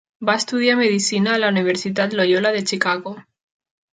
Va estudiar Medicina a la Universitat Loyola de Chicago.